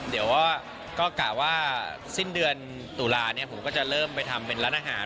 เดี๋ยวก็กะว่าสิ้นเดือนตุลาเนี่ยผมก็จะเริ่มไปทำเป็นร้านอาหาร